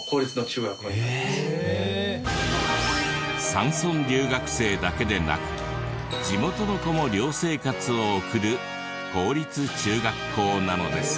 山村留学生だけでなく地元の子も寮生活を送る公立中学校なのです。